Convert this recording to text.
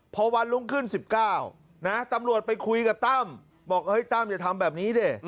พอวันรุ่งขึ้น๑๙นะตำรวจไปคุยกับตั้มบอกตั้มอย่าทำแบบนี้ดิ